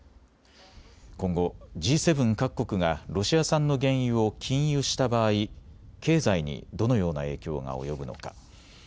今後、Ｇ７各国がロシア産の原油を禁輸した場合、経済にどのような影響が及ぶのか。